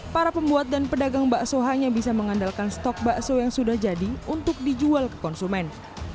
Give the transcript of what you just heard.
para pembuat dan pedagang bakso hanya bisa mengandalkan stok bakso yang sudah jadi untuk dijual ke konsumen